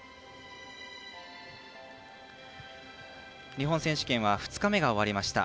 日本選手権は２日目が終わりました。